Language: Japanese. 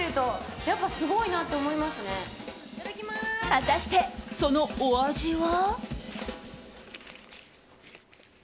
果たして、そのお味は。